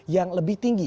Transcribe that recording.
yang lebih tinggi